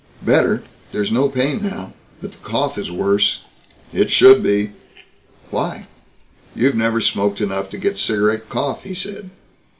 "Better. There's no pain now. But the cough is worse." "It should be." "Why?" "You've never smoked enough to get a cigarette cough," he said.